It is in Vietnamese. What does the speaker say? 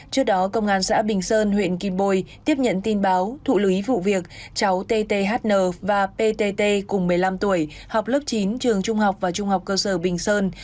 trước đó công an xã bình sơn huyện kim bồi tiếp nhận tin báo thụ lý vụ việc cháu tthn và ptt cùng một mươi năm tuổi học lớp chín trường trung học và trung học cơ sở bình sơn